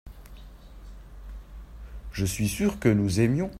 je suis sûr que nous aimions.